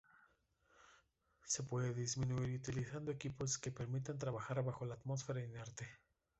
Se puede disminuir utilizando equipos que permitan trabajar bajo atmósfera inerte.